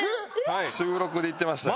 週６で行ってましたね。